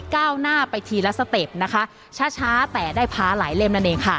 ก้าวหน้าไปทีละสเต็ปนะคะช้าช้าแต่ได้พาหลายเล่มนั่นเองค่ะ